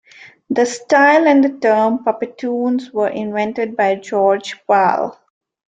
The style and the term "Puppetoons" were invented by George Pal.